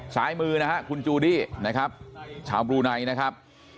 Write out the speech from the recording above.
ซ้ายมือนะฮะคุณจูดี้นะครับชาวบลูไนนะครับ